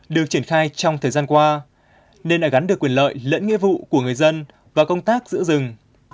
được triển khai trong thời gian qua nên lại gắn được quyền lợi lẫn nghĩa vụ của người dân và công tác giữ rừng